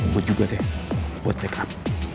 gue juga deh buat make up